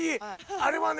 あれはね